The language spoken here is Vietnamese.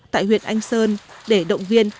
tại huyện anh sơn để động viên